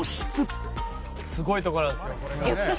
「すごいとこなんですよこれもね」